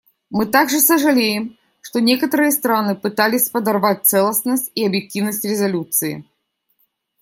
Мы также сожалеем, что некоторые страны пытались подорвать целостность и объективность резолюции.